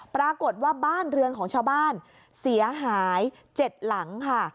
ปรากฏว่าบ้านเรือนของชาวบ้านเสียหาย๗หลังค่ะ